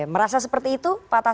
merasa terlalu cepat